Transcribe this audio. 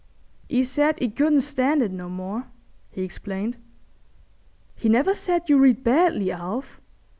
"'E said 'e couldn't stand it no more," he explained. "He never said you read badly, Alf?"